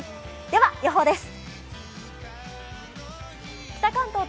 では予報です。